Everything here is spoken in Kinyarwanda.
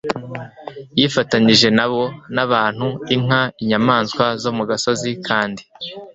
yifatanije na bo. n'abantu, inka, inyamaswa zo mu gasozi kandi